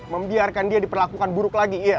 membiarkan dia diperlakukan buruk lagi